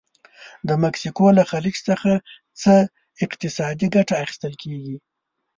د مکسیکو له خلیج څخه څه اقتصادي ګټه اخیستل کیږي؟